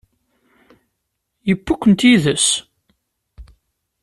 Yewwi-kent yid-s?